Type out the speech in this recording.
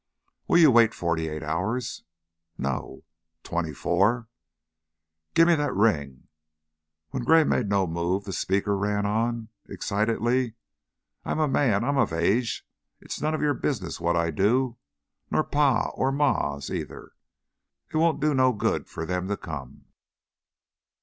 "Will you wait forty eight hours?" "No." "Twenty four?" "Gimme that ring!" When Gray made no move the speaker ran on, excitedly: "I'm a man. I'm of age. It's none of your business what I do nor Pa's or Ma's, either. It won't do no good for them to come."